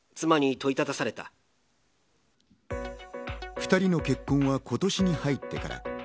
２人の結婚は今年に入ってから。